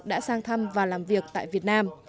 đã sang thăm và làm việc tại việt nam